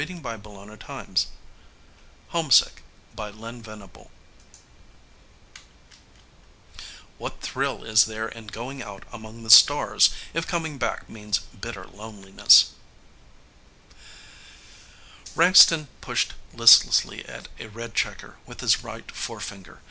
net Homesick By LYN VENABLE Illustrated by EMSH What thrill is there in going out among the stars if coming back means bitter loneliness? Frankston pushed listlessly at a red checker with his right forefinger.